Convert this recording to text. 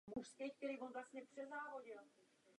Závěrem bych rád poděkoval panu Golikovi za dobrou zprávu.